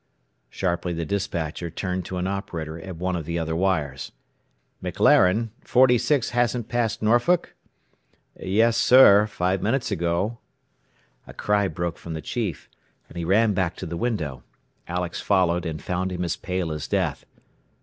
Sharply the despatcher turned to an operator at one of the other wires. "McLaren, Forty six hasn't passed Norfolk?" "Yes, sir. Five minutes ago." A cry broke from the chief, and he ran back to the window. Alex followed, and found him as pale as death.